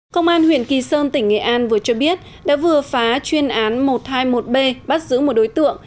công an huyện kỳ sơn tỉnh nghệ an vừa cho biết đã vừa phá chuyên án một trăm hai mươi một b bắt giữ một đối tượng